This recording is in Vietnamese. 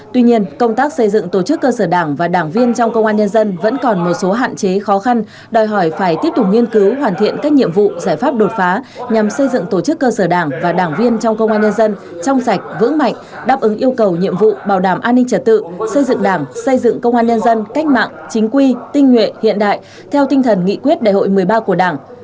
tuy nhiên công tác xây dựng tổ chức cơ sở đảng và đảng viên trong công an nhân dân vẫn còn một số hạn chế khó khăn đòi hỏi phải tiếp tục nghiên cứu hoàn thiện các nhiệm vụ giải pháp đột phá nhằm xây dựng tổ chức cơ sở đảng và đảng viên trong công an nhân dân trong sạch vững mạnh đáp ứng yêu cầu nhiệm vụ bảo đảm an ninh trật tự xây dựng đảng xây dựng công an nhân dân cách mạng chính quy tinh nguyện hiện đại theo tinh thần nghị quyết đại hội một mươi ba của đảng